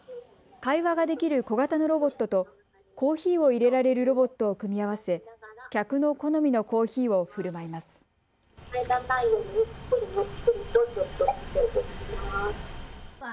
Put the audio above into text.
会話ができる小型のロボットとコーヒーをいれられるロボットを組み合わせ客の好みのコーヒーをふるまいます。